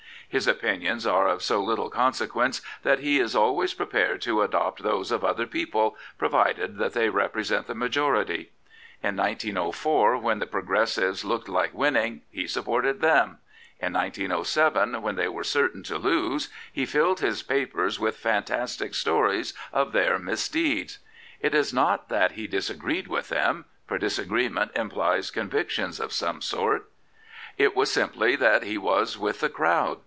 His opinions are of so little consequence that he is always prepared to adopt those of other people, provided that they represent the majority. In 1904, when the Progressives looked like winning, he supported them ; in 1907, when they were certain to lose, he filled his papers with fantastic stories of their misdeeds. It was not that he dis agreed with them, for disagreement implies con victions of some sort. It was simply that he was with the crowd.